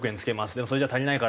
でもそれじゃ足りないからって